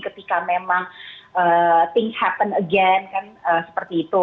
ketika memang thing happen again kan seperti itu